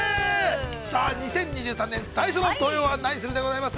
さあ、２０２３年最初の「土曜はナニする！？」でございます。